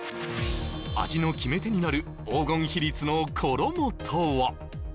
味の決め手になる黄金比率の衣とは？